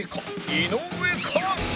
井上か？